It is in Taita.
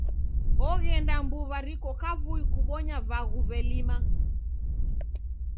Oghenda mbuw'a riko kavui kubonya vaghu velima.